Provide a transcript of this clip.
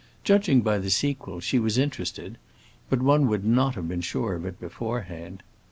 Judging by the sequel she was interested, but one would not have been sure of it beforehand.